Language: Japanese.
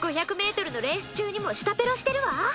５００ｍのレース中にも舌ペロしてるわ！